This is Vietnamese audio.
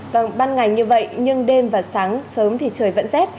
vâng ban ngày như vậy nhưng đêm và sáng sớm thì trời vẫn rét